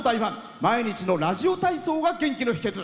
毎日のラジオ体操が元気の秘けつ。